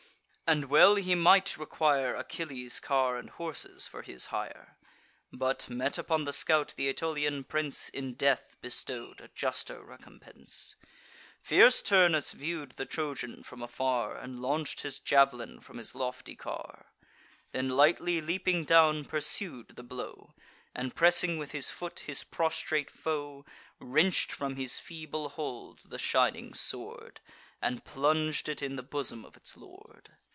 and well he might require Achilles' car and horses, for his hire: But, met upon the scout, th' Aetolian prince In death bestow'd a juster recompense. Fierce Turnus view'd the Trojan from afar, And launch'd his jav'lin from his lofty car; Then lightly leaping down, pursued the blow, And, pressing with his foot his prostrate foe, Wrench'd from his feeble hold the shining sword, And plung'd it in the bosom of its lord.